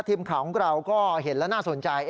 ทีมข่าวของเราก็เห็นแล้วน่าสนใจ